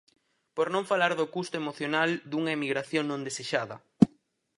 Por non falar do custo emocional dunha emigración non desexada.